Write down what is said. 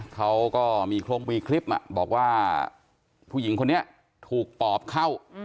เขาก็มีโครงวีคลิปบอกว่าผู้หญิงคนนี้ถูกปอบเข้า